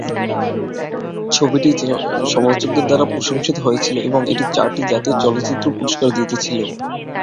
ছবিটি সমালোচকদের দ্বারা প্রশংসিত হয়েছিল এবং এটি চারটি জাতীয় চলচ্চিত্র পুরস্কার জিতেছিল।